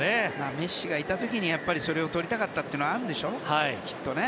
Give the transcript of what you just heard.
メッシがいた時にそれをとりたかったのはあるんでしょ、きっとね。